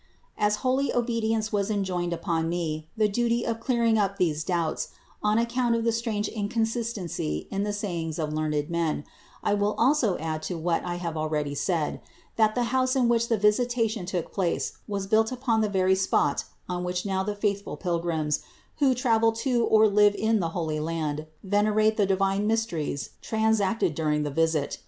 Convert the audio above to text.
209. As holy obedience has enjoined upon me the duty of clearing up these doubts, on account of the THE INCARNATION 169 strange inconsistency in the sayings of learned men, I will also add to what I have already said, that the house in which the visitation took place was built upon the very spot on which now the faithful pilgrims, who travel to or live in the holy Land, venerate the divine mysteries transacted during the visit.